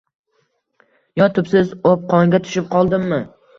yo tubsiz oʼpqonga tushib qoldimmi